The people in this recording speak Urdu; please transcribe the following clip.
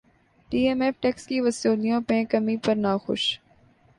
ئی ایم ایف ٹیکس کی وصولیوں میں کمی پر ناخوش